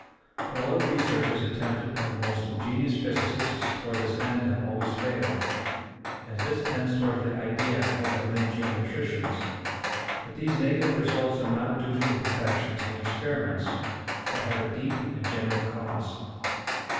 But all the researches attempted by the most ingenious physicists towards this end have always failed, and this tends towards the idea held by many geometricians that these negative results are not due to imperfections in the experiments, but have a deep and general cause.